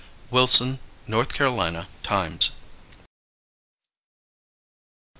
_Wilson (North Carolina) Times.